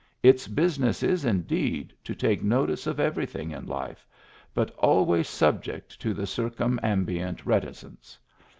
Its business is indeed to take notice of everything in life, but always sub ject to the circumambient reticence.